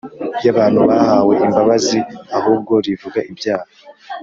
Y abantu bahawe imbabazi ahubwo rivuga ibyaha